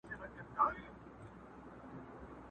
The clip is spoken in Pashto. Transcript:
کرونا راغلې پر انسانانو!.